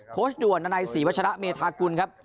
โพสต์ด่วนนัย๔วันชนะเมธากุลครับ